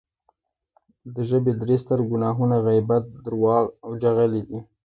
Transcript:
د ژبې درې ستر ګناهونه غیبت، درواغ او چغلي دی